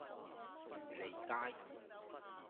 漁利街